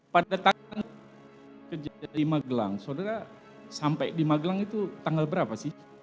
pada tanggal kejadian di magelang saudara sampai di magelang itu tanggal berapa sih